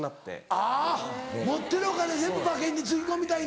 あぁ持ってるお金全部馬券につぎ込みたいんだ。